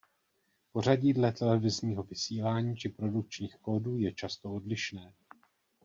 Pořadí dle televizního vysílání či produkčních kódů je často odlišné.